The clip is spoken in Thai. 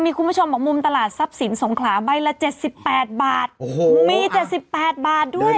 อ่ะมีคุณผู้ชมบอกมุมตลาดทรัพย์สินสงขาใบละเจ็ดสิบแปดบาทโอ้โหมีเจ็ดสิบแปดบาทด้วย